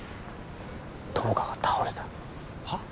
友果が倒れたはっ？